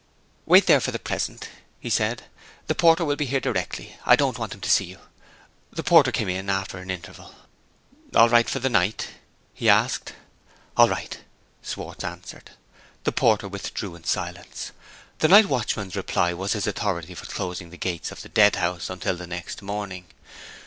"Wait there for the present," he said. "The porter will be here directly: I don't want him to see you." The porter came in after an interval. "All right for the night?" he asked. "All right," Schwartz answered. The porter withdrew in silence. The night watchman's reply was his authority for closing the gates of the Deadhouse until the next morning.